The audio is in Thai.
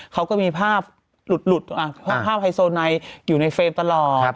เขาก็มีภาพหลุดภาพไฮโซไนอยู่ในเฟรมตลอด